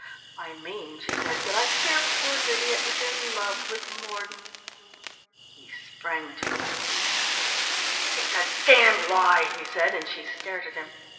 "I mean," she said, "that I fear poor Lydia is in love with Mordon." He sprang to his feet. "It's a damned lie!" he said, and she stared at him.